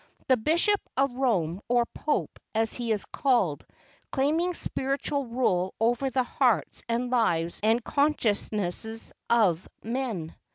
The bishop of Rome, or Pope, as he is called, claiming spiritual rule over the hearts, and lives, and consciences of men.